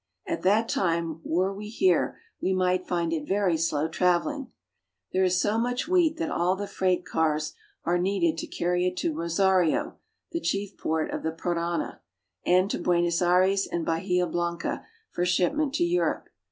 At that time, were we here, we might find it very slow traveling. There is so much wheat that all the freight cars are needed to carry it to Rosario, the chief port of the Parana, and to Buenos Aires and Bahia Blanca for ship ment to Europe.